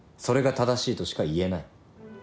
それが正しいとしか言えない。